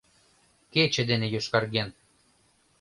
Кече дене йошкарген.